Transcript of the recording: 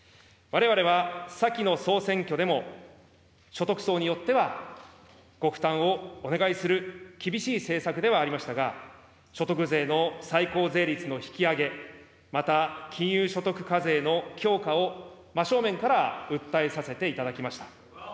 われわれは、先の総選挙でも、所得層によってはご負担をお願いする厳しい政策ではありましたが、所得税の最高税率の引き上げ、また金融所得課税の強化を真正面から訴えさせていただきました。